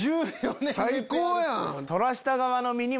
最高やん！